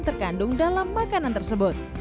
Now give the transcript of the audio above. kemudian masaklah tengah tengah